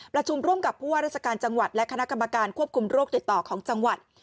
ประชุมร่วมกับผู้ว่าราชการจังหวัดและคณะกรรมการควบคุมโรคติดต่อของจังหวัด